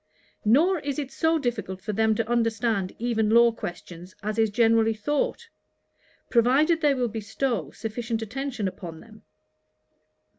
Nor is it so difficult for them to understand even law questions, as is generally thought; provided they will bestow sufficient attention upon them.